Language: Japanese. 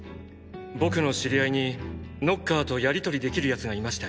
僕の知り合いにノッカーとやりとりできる奴がいまして。